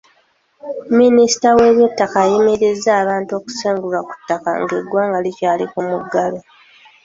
Minisita w'ebyettaka ayimirizza abantu okusengulwa ku ttaka ng'eggwanga likyali ku muggalo.